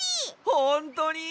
ほんとに？